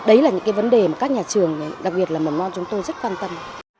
đấy là những cái vấn đề mà các nhà trường đặc biệt là mầm non chúng tôi rất quan tâm